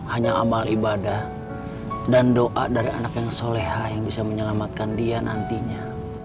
hanya amal ibadah dan doa dari anak yang soleha yang bisa menyelamatkan dia nantinya